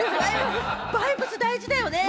バイブス大事だよね。